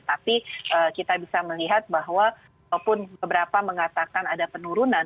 tapi kita bisa melihat bahwa walaupun beberapa mengatakan ada penurunan